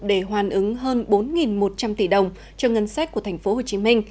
để hoàn ứng hơn bốn một trăm linh tỷ đồng cho ngân sách của tp hcm